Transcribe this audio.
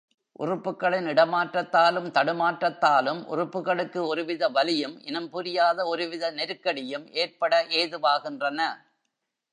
உறுப்புக்களின் இடமாற்றத்தாலும், தடுமாற்றத்தாலும் உறுப்புக்களுக்கு ஒரு வித வலியும் இனம் புரியாத ஒருவித நெருக்கடியும் ஏற்பட ஏதுவாகின்றன.